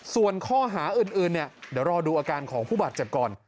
ส่วนข้อหาอื่นเนี่ยเดี๋ยวรอดูอาการของผู้บาดเจ็บก่อน